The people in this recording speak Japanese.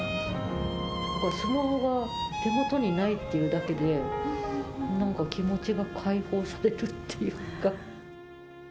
スマホが手元にないっていうだけで、なんか気持ちが解放されるっていうか。